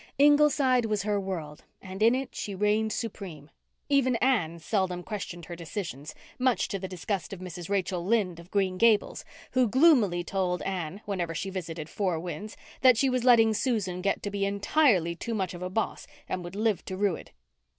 Ingleside was her world and in it she reigned supreme. Even Anne seldom questioned her decisions, much to the disgust of Mrs. Rachel Lynde of Green Gables, who gloomily told Anne, whenever she visited Four Winds, that she was letting Susan get to be entirely too much of a boss and would live to rue it.